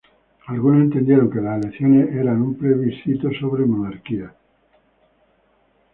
Algunos entendieron que las elecciones eran un plebiscito sobre la Monarquía.